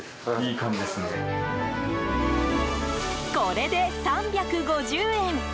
これで３５０円。